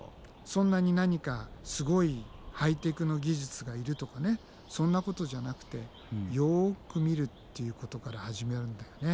そんなに何かすごいハイテクの技術がいるとかねそんなことじゃなくてよく見るっていうことから始めるんだよね。